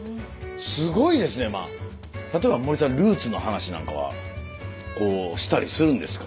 例えば森さんルーツの話なんかはこうしたりするんですか？